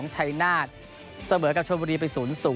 ชัยนาศเสมอกับชนบุรีไป๐๐